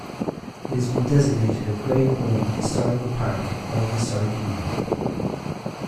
It has been designated a Grade I Historic Park by Historic England.